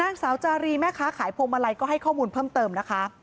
นางสาวจารีแม่ค้าขายพวงมาลัยก็ให้ข้อมูลเพิ่มเติมนะคะ